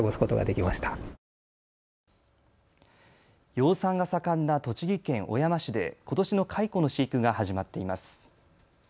養蚕が盛んな栃木県小山市でことしの蚕の飼育が始まっています。